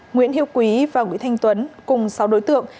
nguyễn hiệu quý và nguyễn thanh tuấn cùng sáu đối tượng